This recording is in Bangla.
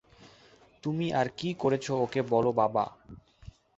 তুমি আর কী করেছ ওকে বলো, বাবা।